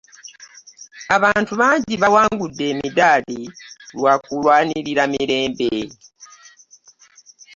Abantu bangi bawangudde emidaali lwa kulwanirira mirembe.